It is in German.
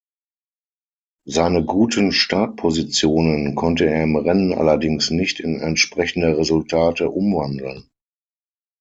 Seine guten Startpositionen konnte er im Rennen allerdings nicht in entsprechende Resultate umwandeln.